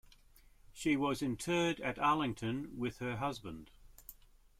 She was interred at Arlington with her husband.